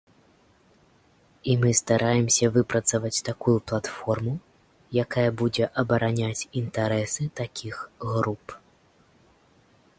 І мы стараемся выпрацаваць такую платформу, якая будзе абараняць інтарэсы такіх груп.